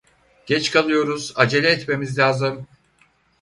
Geç kalıyoruz, acele etmemiz lazım.